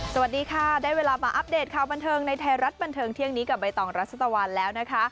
สวัสดีค่ะได้เวลามาอัปเดตข่าวบันเทิงในไทยรัฐบันเทิงเที่ยงนี้กับใบตองรัชตะวันแล้วนะคะ